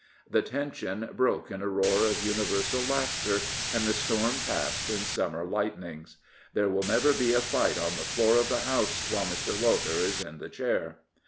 The tension broke in a roar of universal laughter, and the storm passed in summer lightnings. There will never be a fight on the floor of the House while Mr. Lowther is in the Chair.